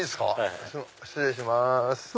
失礼します。